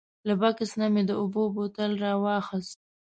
له بکس نه مې د اوبو بوتل راواخیست.